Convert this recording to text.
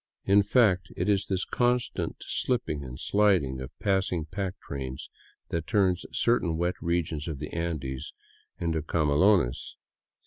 In fact, it is this constant slipping and sliding of passing pack trains that turns certain wet regions of the Andes into camelones.